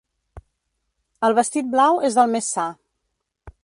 El vestit blau és el més sa.